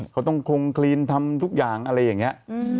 เขาต้องคงคลีนทำทุกอย่างอะไรอย่างนี้